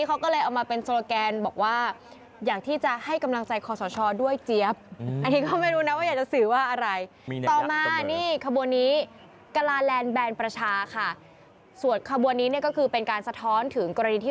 กรราแลนด์แบรนด์ประชาค่ะส่วนขบวนนี้เนี่ยก็คือเป็นการสะท้อนถึงกรณีที่